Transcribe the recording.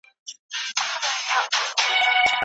کیسې د خان او د زامنو د آسونو کوي